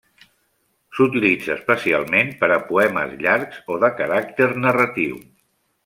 S'utilitza especialment per a poemes llargs o de caràcter narratiu.